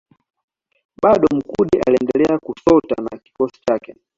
Bado Mkude aliendelea kusota na kikosi chake